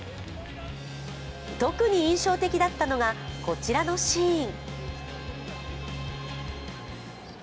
特に印象的だったのが、こちらのシーン。